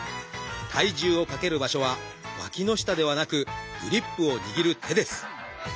体重をかける場所はわきの下ではなくグリップを握る手です。